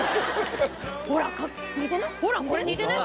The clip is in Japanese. ほらこれ似てない？